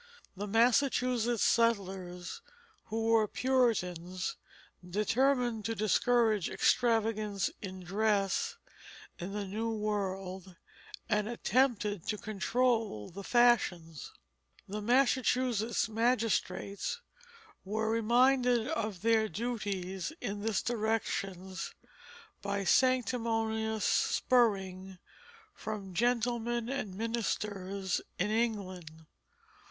The Massachusetts settlers who were Puritans determined to discourage extravagance in dress in the New World, and attempted to control the fashions. The Massachusetts magistrates were reminded of their duties in this direction by sanctimonious spurring from gentlemen and ministers in England.